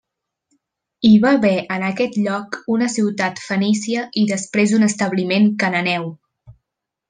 Hi va haver en aquest lloc una ciutat fenícia i després un establiment cananeu.